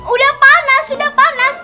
udah panas udah panas